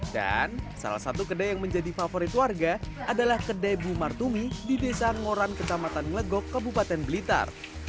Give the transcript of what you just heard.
dan salah satu kedai yang menjadi favorit warga adalah kedai bumartumi di desa ngoran ketamatan ngegok kabupaten blitar